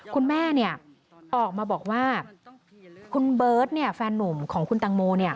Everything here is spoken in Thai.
คุณแม่ออกมาบอกว่าคุณเบิร์ตแฟนหนุ่มของคุณตังโม